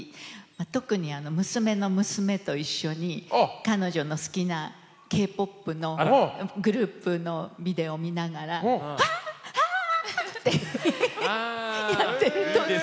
特に娘の娘と一緒に彼女の好きなＫ−ＰＯＰのグループのビデオを見ながらワーッアーッてやってる時。